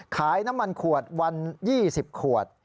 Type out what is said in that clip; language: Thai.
ขายน้ำมันขวดวัน๒๐ขวด